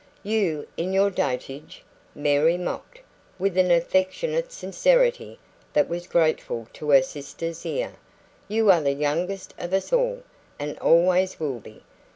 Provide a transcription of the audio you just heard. "You in your dotage!" Mary mocked, with an affectionate sincerity that was grateful to her sister's ear. "You are the youngest of us all, and always will be.